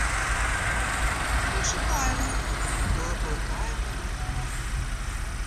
Ми чекаємо, — закликає мене пані.